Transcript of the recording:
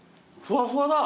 ふわふわだ。